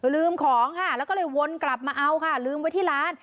ลืมของค่ะแล้วก็เลยวนกลับมาเอาค่ะลืมไว้ที่ร้าน